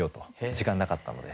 時間なかったので。